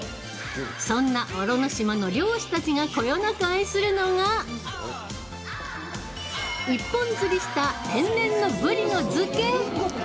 そんな小呂島の漁師たちがこよなく愛するのが一本釣りした天然の「ブリの漬け」。